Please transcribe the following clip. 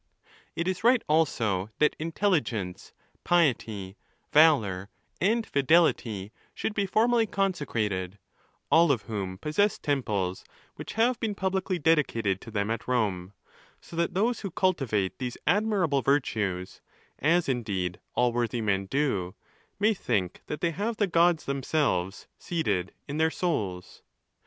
Itis right, also, that Intelligence, Piety, Valour, and Fidelity should be formally consecrated; all of whom possess temples which have been publicly dedicated to them at Rome, so that those who cultivate these admirable virtues, as indeed all worthy men do, may think that they have the gods themselves seated in their souls.